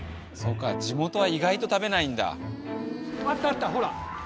そっか地元は意外と食べないんだ。